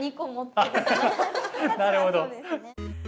なるほど。